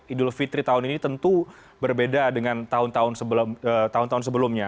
idul fitri tahun ini tentu berbeda dengan tahun tahun sebelumnya